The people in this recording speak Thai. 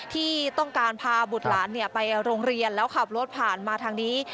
ที่ต้องการพาบุตรหลานไปโรงเรียนแล้วขับรถผ่านมาทางนี้